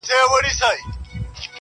ګرم مي و نه بولی چي شپه ستایمه ,